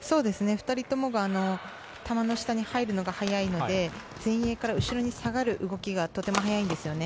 ２人ともが球の下に入るのが速いので前衛から後ろに下がる動きがとても速いんですね。